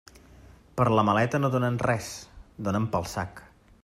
Per la maleta no donen res, donen pel sac.